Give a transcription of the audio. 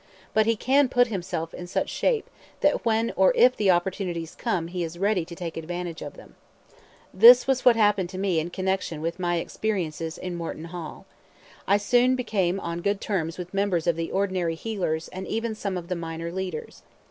But he can put himself in such shape that when or if the opportunities come he is ready to take advantage of them. This was what happened to me in connection with my experiences in Morton Hall. I soon became on good terms with a number of the ordinary "heelers" and even some of the minor leaders.